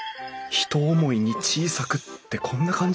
「ひと思いに小さく」ってこんな感じ？